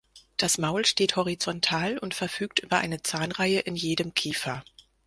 Das Maul steht horizontal und verfügt über eine Zahnreihe in jedem Kiefer.